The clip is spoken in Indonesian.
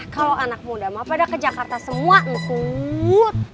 kalau anak muda mah pada ke jakarta semua empuk